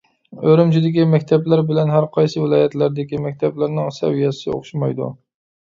ئۈرۈمچىدىكى مەكتەپلەر بىلەن ھەر قايسى ۋىلايەتلەردىكى مەكتەپلەرنىڭ سەۋىيەسى ئوخشىمايدۇ.